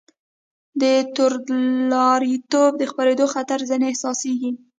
د توندلاریتوب د خپرېدو خطر ځنې احساسېږي.